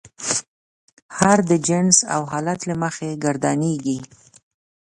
هر د جنس او حالت له مخې ګردانیږي.